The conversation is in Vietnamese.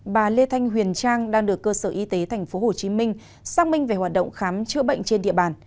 bà lê thanh huyền trang đang được cơ sở y tế tp hcm xác minh về hoạt động khám chữa bệnh trên địa bàn